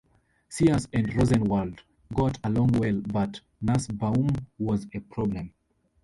Sears and Rosenwald got along well, but Nusbaum was a problem.